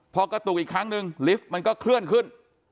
พอกระตุกอีกครั้งนึงลิฟต์มันก็เคลื่อนขึ้น